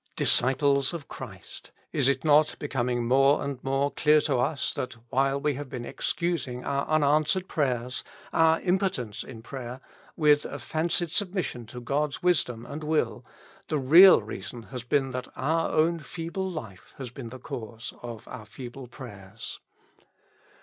Disciples of Christ ! is it not becoming more and more clear to us that while we have been excusing our unanswered prayers, our impotence in prayer, with a fancied submission to God's wisdom and will, the real reason has been that our own feeble life has been the cause of our feeble prayers.